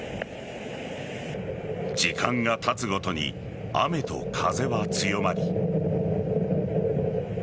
時間がたつごとに雨と風は強まり。